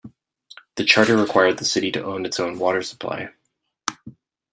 The charter required the city to own its own water supply.